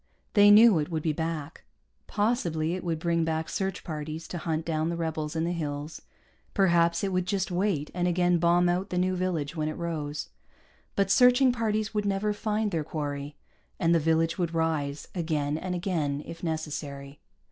They knew it would be back. Possibly it would bring back search parties to hunt down the rebels in the hills; perhaps it would just wait and again bomb out the new village when it rose. But searching parties would never find their quarry, and the village would rise again and again, if necessary.